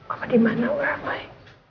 apa dimana where am i